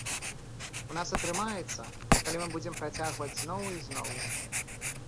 У нас атрымаецца, калі мы будзем працягваць зноў і зноў.